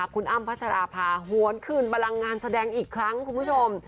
คุณอ้ำพัชราภาหวนคืนบรังงานแสดงอีกครั้งคุณผู้ชม